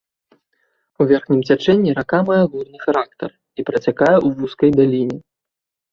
У верхнім цячэнні рака мае горны характар і працякае ў вузкай даліне.